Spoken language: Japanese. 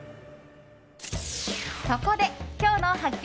そこで、今日の発見！